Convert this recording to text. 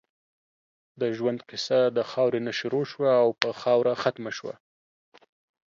د ژؤند قیصه د خاؤرې نه شروع شوه او پۀ خاؤره ختمه شوه